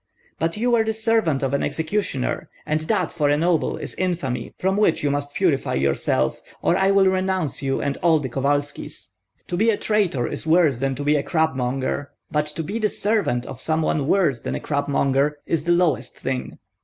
"But you were the servant of an executioner, and that for a noble is infamy from which you must purify yourself, or I will renounce you and all the Kovalskis. To be a traitor is worse than to be a crabmonger, but to be the servant of some one worse than a crabmonger is the lowest thing."